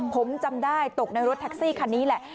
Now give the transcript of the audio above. ผมจำได้ตกในรถแท็กซี่คันนี้แหละ